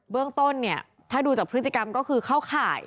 เรื่องต้นเนี่ยถ้าดูจากพฤติกรรมก็คือเข้าข่าย